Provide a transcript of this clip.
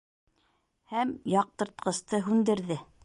Һәм яҡтыртҡысты һүндерҙе.